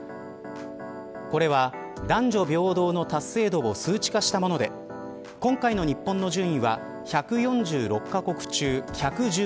これは、男女平等の達成度を数値化したもので今回の日本の順位は１４６か国中１１６位。